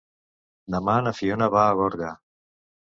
Demà na Fiona va a Gorga.